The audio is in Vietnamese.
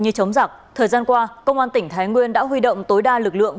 như chống giặc thời gian qua công an tỉnh thái nguyên đã huy động tối đa lực lượng